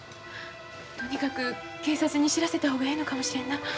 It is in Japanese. とにかく警察に知らせた方がええのかもしれんな。